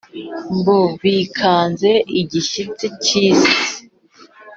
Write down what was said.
Bo bikanze igishitsi cy'isi,